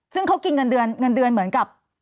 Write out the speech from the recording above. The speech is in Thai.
ซึ่งเขากินเงินเดือนเหมือนกับ